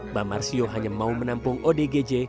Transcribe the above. mbak marsio hanya mau menampung odgj